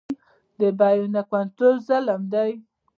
د بیو نه کنټرول ظلم دی.